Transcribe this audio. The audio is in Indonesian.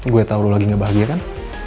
gue tau lo lagi gak bahagia kan